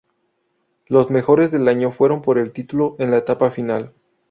Los mejores del año fueron por el título en la etapa final.